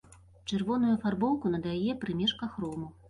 Чырвоную афарбоўку надае прымешка хрому.